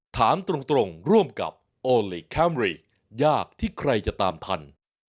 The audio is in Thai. ถามตรงร่วมกับโอลี่คัมรี่ยากที่ใครจะตามทัน